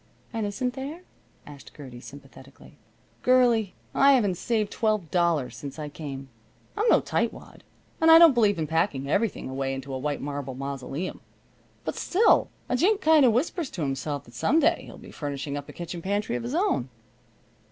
"And isn't there?" asked Gertie, sympathetically. "Girlie, I haven't saved twelve dollars since I came. I'm no tightwad, and I don't believe in packing everything away into a white marble mausoleum, but still a gink kind of whispers to himself that some day he'll be furnishing up a kitchen pantry of his own."